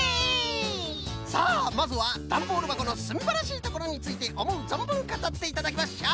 さあまずはダンボールばこのすんばらしいところについておもうぞんぶんかたっていただきましょう！